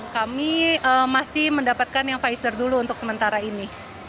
kami masih mendapatkan yang pfizer dulu untuk sementara ini